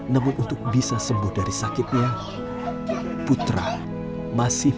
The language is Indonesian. namun untuk bisa sembuh dari sakitnya putra masih